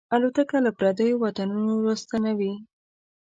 الوتکه له پردیو وطنونو راستنوي.